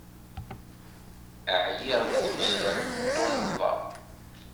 Ɛyiɣ di tuzzya d tunnḍa.